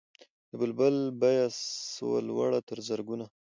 د بلبل بیه سوه لوړه تر زرګونو